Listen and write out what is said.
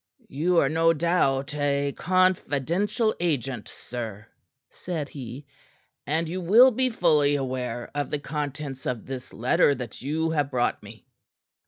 "You are no doubt a confidential agent, sir," said he. "And you will be fully aware of the contents of this letter that you have brought me."